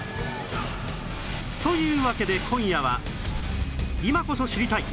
というわけで今夜は今こそ知りたい！